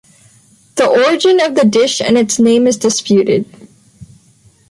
The origin of the dish and its name is disputed.